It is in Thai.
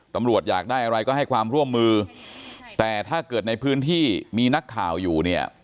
ตำรวจอยากได้อะไรก็ให้ความร่วมมือแต่ถ้าเกิดในพื้นที่มีนักข่าวอยู่เนี่ย